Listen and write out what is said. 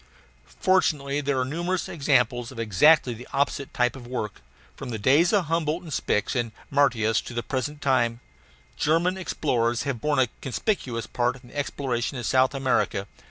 Fortunately, there are numerous examples of exactly the opposite type of work. From the days of Humboldt and Spix and Martius to the present time, German explorers have borne a conspicuous part in the exploration of South America.